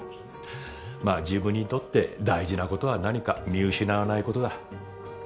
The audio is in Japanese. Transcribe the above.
まあ自分にとって大事な事は何か見失わないことだ。